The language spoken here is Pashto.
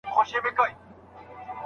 پاڼه د ونې په پښو کې ولوېده.